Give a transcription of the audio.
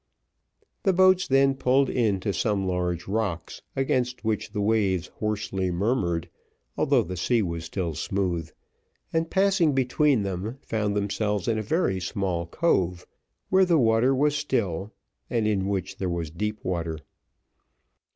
The boats then pulled in to some large rocks, against which the waves hoarsely murmured, although the sea was still smooth, and passing between them, found themselves in a very small cove, where the water was still, and in which there was deep water.